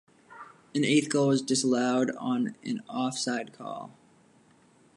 An eighth goal was disallowed on an off-side call.